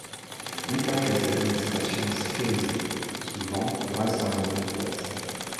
L'interface d'administration est sécurisée, souvent grâce à un mot de passe.